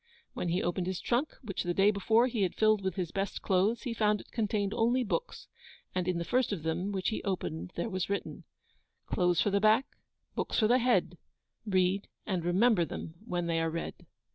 When he opened his trunk, which the day before he had filled with his best clothes, he found it contained only books. And in the first of them which he opened there was written Clothes for the back, books for the head: Read and remember them when they are read.